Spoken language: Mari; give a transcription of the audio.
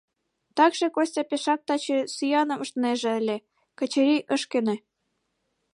Такше Костя пешак таче сӱаным ыштынеже ыле, Качырий ыш кӧнӧ.